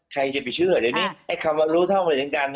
ใครจะไปเชื่อเดี๋ยวนี้คำว่ารู้เท่าเหมือนถึงการ